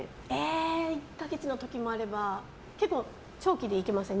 １か月の時もあれば結構、長期で行きますね。